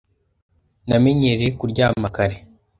Namenyereye kuryama kare.